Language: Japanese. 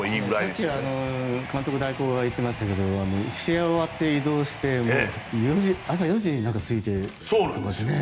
さっき監督代行が言っていましたが試合が終わって移動して朝４時に着いて。